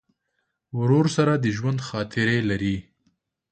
ورور سره د ژوندي خاطرې لرې.